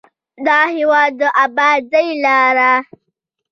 د هېواد د ابادۍ لارې